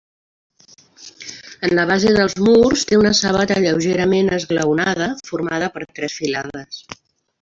En la base dels murs, té una sabata lleugerament esglaonada, formada per tres filades.